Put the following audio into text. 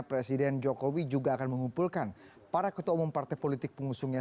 presiden jokowi juga akan mengumpulkan para ketua umum partai politik pengusungnya